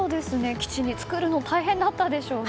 基地に作るの大変だったでしょうね。